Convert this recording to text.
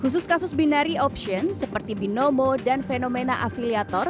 khusus kasus binari option seperti binomo dan fenomena afiliator